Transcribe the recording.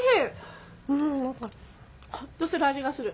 何かホッとする味がする。